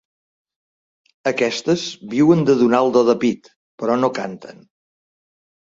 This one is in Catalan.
Aquestes viuen de donar el do de pit, però no canten.